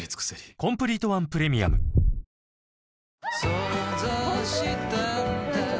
想像したんだ